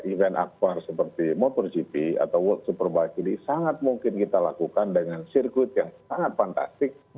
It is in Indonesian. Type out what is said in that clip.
event akbar seperti motogp atau world superbike ini sangat mungkin kita lakukan dengan sirkuit yang sangat fantastik